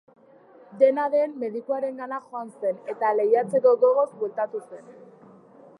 Dena den, medikuarengana joan zen, eta lehiatzeko gogoz bueltatu zen.